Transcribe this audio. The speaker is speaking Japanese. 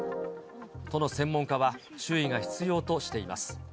都の専門家は、注意が必要としています。